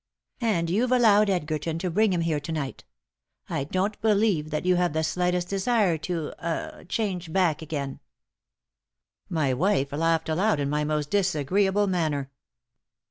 And you've allowed Edgerton to bring him here to night! I don't believe that you have the slightest desire to ah change back again." My wife laughed aloud in my most disagreeable manner.